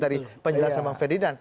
dari penjelasan bang ferdinand